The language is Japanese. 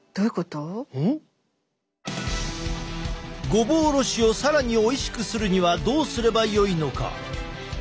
ごぼおろしを更においしくするにはどうすればよいのか？